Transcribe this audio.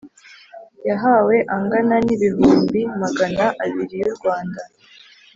Yahawe angana n ibihumbi magana abiri y u Rwanda